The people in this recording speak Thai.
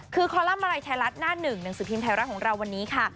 คือคอลัมป์มาลัยไทยรัฐหน้าหนึ่งหนังสือพิมพ์ไทยรัฐของเราวันนี้ค่ะ